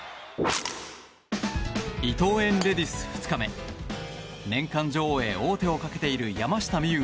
伊藤園レディス２日目年間女王へ王手をかけている山下美夢